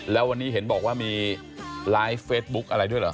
แล้ววันนี้เห็นบอกว่ามีไลฟ์เฟซบุ๊กอะไรด้วยเหรอ